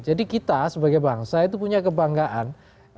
jadi kita sebagai bangsa itu punya kebanggaan